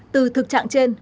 từ thực trạng trên